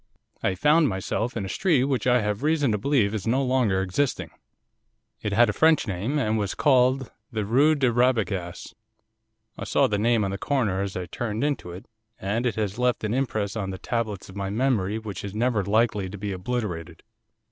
I found myself in a street which I have reason to believe is no longer existing. It had a French name, and was called the Rue de Rabagas, I saw the name on the corner as I turned into it, and it has left an impress on the tablets of my memory which is never likely to be obliterated.